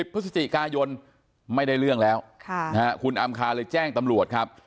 พฤศจิกายนไม่ได้เรื่องแล้วคุณอำคาเลยแจ้งตำรวจครับ